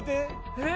えっ？